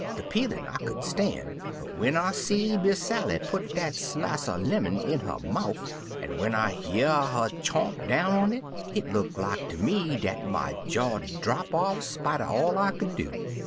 De peelin' I could stan', but when I see Miss Sally put dat slishe er lemon in 'er mouf, an' when I year 'er chomp down on it, hit look like ter me dat my jaw'd drap off spite er all I could do.